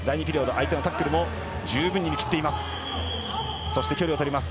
相手のタックルも十分に見切っています。